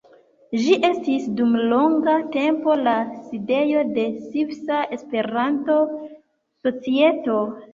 Ĝi estis dum longa tempo la sidejo de Svisa Esperanto-Societo.